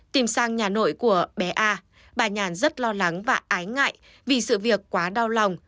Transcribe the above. tìm sang nhà nội của bé a bà nhàn rất lo lắng và ái ngại vì sự việc quá đau lòng